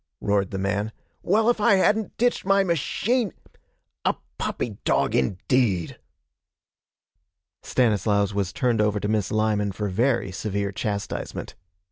roared the man. 'Well, if I hadn't ditched my machine ! A puppy dog, indeed!' Stanislaus was turned over to Miss Lyman for very severe chastisement.